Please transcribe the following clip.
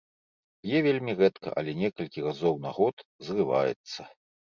П'е вельмі рэдка, але некалькі разоў на год зрываецца.